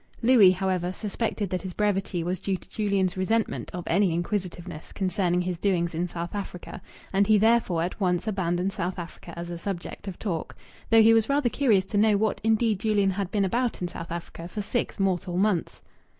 Louis, however, suspected that his brevity was due to Julian's resentment of any inquisitiveness concerning his doings in South Africa; and he therefore at once abandoned South Africa as a subject of talk, though he was rather curious to know what, indeed, Julian had been about in South Africa for six mortal months.